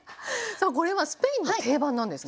さあこれはスペインの定番なんですね？